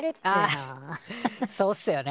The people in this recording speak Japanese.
あっそうっすよね。